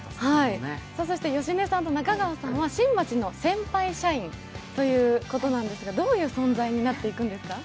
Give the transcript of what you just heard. そして芳根さんと中川さんは新町の先輩社員ということですがどういう存在になっていくんですか？